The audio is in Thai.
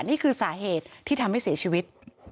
นี่คือสาเหตุที่ทำให้เสียชีวิต